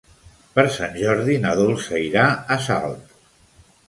Per Sant Jordi na Dolça irà a Salt.